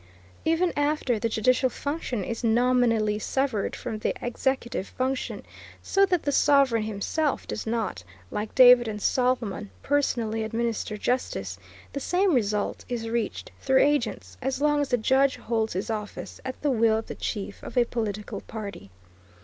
Even after the judicial function is nominally severed from the executive function, so that the sovereign himself does not, like David and Solomon, personally administer justice, the same result is reached through agents, as long as the judge holds his office at the will of the chief of a political party.